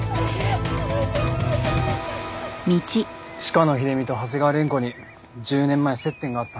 鹿野秀美と長谷川凛子に１０年前接点があったなんて。